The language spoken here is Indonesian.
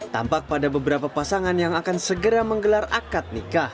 tampak pada beberapa pasangan yang akan segera menggelar akad nikah